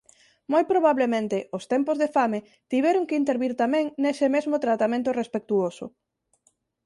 Moi probablemente os tempos de fame tiveron que intervir tamén nese mesmo tratamento respectuoso.